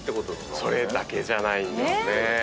それだけじゃないんですね。